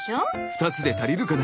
２つで足りるかな？